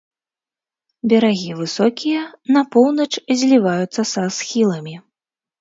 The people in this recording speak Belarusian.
Берагі высокія, на поўнач зліваюцца са схіламі.